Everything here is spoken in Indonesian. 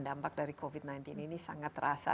dampak dari covid sembilan belas ini sangat terasa